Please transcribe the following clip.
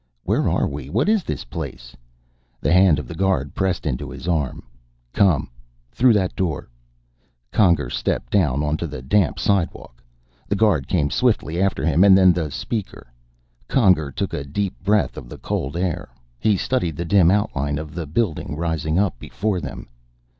"Where are we? What is this place?" The hand of the guard pressed into his arm. "Come. Through that door." Conger stepped down, onto the damp sidewalk. The guard came swiftly after him, and then the Speaker. Conger took a deep breath of the cold air. He studied the dim outline of the building rising up before them.